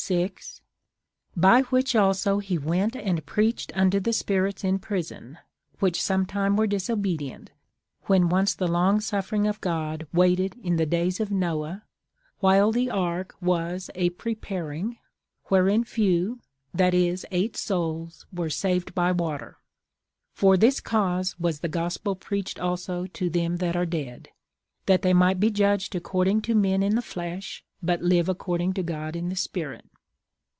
6: "By which also he went and preached unto the spirits in prison, which sometime were disobedient, when once the long suffering of God waited in the days of Noah, while the ark was a preparing, wherein few, that is eight souls, were saved by water.... For this cause was the gospel preached also to them that are dead, that they might be judged according to men in the flesh, but live according to God in the spirit."